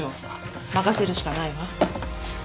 任せるしかないわ。